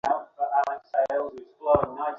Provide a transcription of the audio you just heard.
বললে তো বলব, আমার শিষ্য।